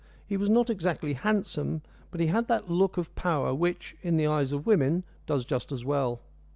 He was not exactly handsome, but he had that look of power which, in the eyes of women, does just as well.